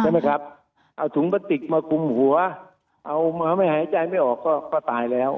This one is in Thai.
ใช่ไหมครับเอาถุงพลาสติกมาคุมหัวเอามาไม่หายใจไม่ออกก็ตายแล้ว